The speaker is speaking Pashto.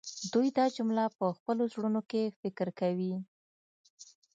دوی دا جمله په خپلو زړونو کې فکر کوي